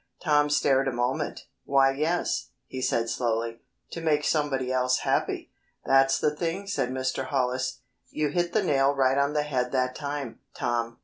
Tom stared a moment, "why yes," he said slowly, "to make somebody else happy." "That's the thing," said Mr. Hollis. "You hit the nail right on the head that time, Tom.